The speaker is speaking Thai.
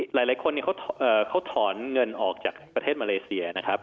หลายคนเขาถอนเงินออกจากประเทศมาเลเซียนะครับ